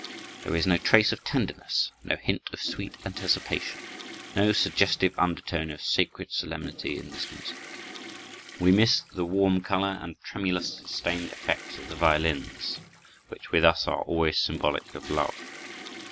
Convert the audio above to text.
There is no trace of tenderness, no hint of sweet anticipation, no suggestive undertone of sacred solemnity, in this music. We miss the warm color and tremulous, sustained effects of the violins, which with us are always symbolic of love.